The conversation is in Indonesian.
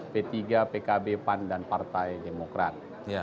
p tiga pkb pan dan partai demokrat